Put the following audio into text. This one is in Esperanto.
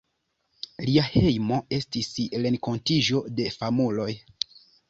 Lia hejmo estis renkontiĝo de famuloj.